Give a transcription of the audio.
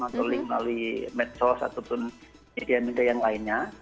atau link melalui medsos ataupun media media yang lainnya